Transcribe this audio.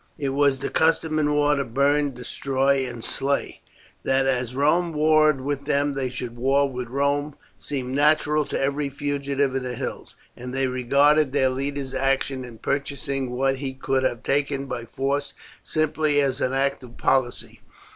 It was the custom in war to burn, destroy, and slay. That as Rome warred with them they should war with Rome seemed natural to every fugitive in the hills, and they regarded their leader's action in purchasing what he could have taken by force simply as an act of policy.